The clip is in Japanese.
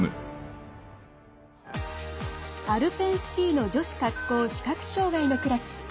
アルペンスキーの女子滑降視覚障がいのクラス。